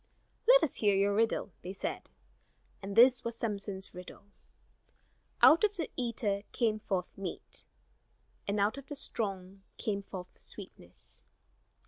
"Let us hear your riddle," they said. And this was Samson's riddle: "Out of the eater came forth meat, And out of the strong came forth sweetness."